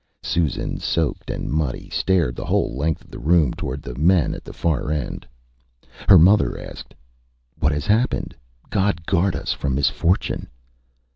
Susan, soaked and muddy, stared the whole length of the room towards the men at the far end. Her mother asked ÂWhat has happened? God guard us from misfortune!